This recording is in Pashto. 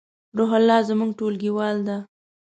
روح الله زمونږ ټولګیوال ده